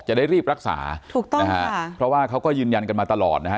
จะได้รีบรักษาถูกต้องนะฮะเพราะว่าเขาก็ยืนยันกันมาตลอดนะฮะ